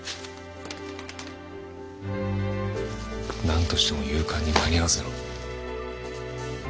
なんとしても夕刊に間に合わせろ。